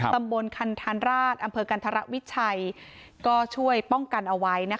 ตำบลคันธานราชอำเภอกันธรวิชัยก็ช่วยป้องกันเอาไว้